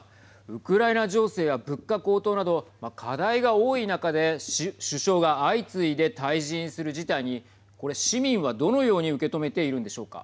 ウクライナ情勢や物価高騰など課題が多い中で首相が相次いで退陣する事態にこれ市民はどのように受け止めているんでしょうか。